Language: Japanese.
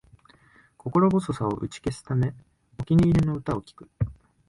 心細さを打ち消すため、お気に入りの歌を聴く